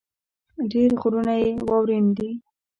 ډېر غرونه يې واؤرين دي ـ